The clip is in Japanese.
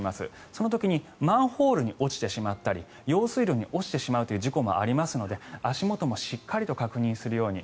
その時にマンホールに落ちてしまったり用水路に落ちてしまうという事故もありますので足元をしっかりと確認するように。